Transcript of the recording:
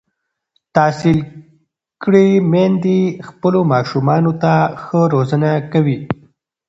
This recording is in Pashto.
تحصیل کړې میندې خپلو ماشومانو ته ښه روزنه ورکوي.